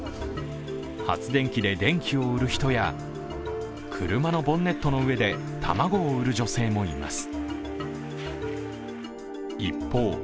発電機で電気を売る人や車のボンネットの上で卵を売る女性もいます。